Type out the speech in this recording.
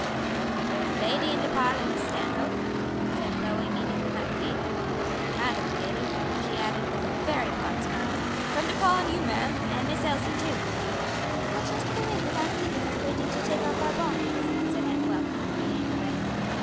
"Dere's a lady in de parlor, Miss Stanhope," said Chloe, meeting them at the gate; "kind of lady," she added with a very broad smile, "come to call on you, ma'am, and Miss Elsie too." "We'll just go in without keeping her waiting to take off our bonnets," said Aunt Wealthy, leading the way.